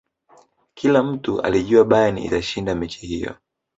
kila mtu alijua bayern itashinda mechi hiyo